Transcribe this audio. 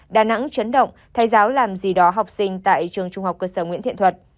đà nẵng chấn động thầy giáo làm gì đó học sinh tại trường trung học cơ sở nguyễn thiện thuật